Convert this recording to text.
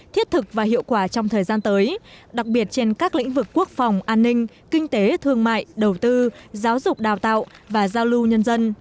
thiết thực và hiệu quả trong thời gian tới đặc biệt trên các lĩnh vực quốc phòng an ninh kinh tế thương mại đầu tư giáo dục đào tạo và giao lưu nhân dân